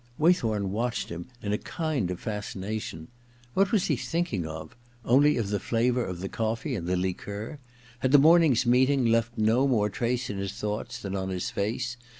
Waythorn watched him in a kind of fascina tion. What was he thinking of— only of the flavour of the coflTee and the liqueur ? Had the morning's meeting left no more trace in his thoughts than on his face.